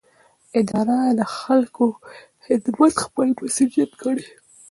اداره د خلکو خدمت خپل مسوولیت ګڼي.